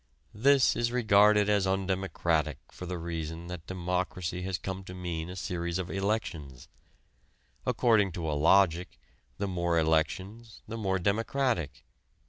This is regarded as undemocratic for the reason that democracy has come to mean a series of elections. According to a logic, the more elections the more democratic.